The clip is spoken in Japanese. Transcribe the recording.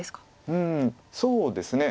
うんそうですね。